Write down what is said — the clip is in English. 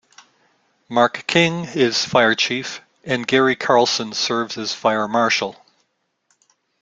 Mark King is Fire Chief and Gary Carlson serves as Fire Marshal.